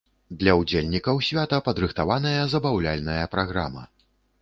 Для ўдзельнікаў свята падрыхтаваная забаўляльная праграма.